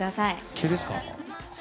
毛ですか？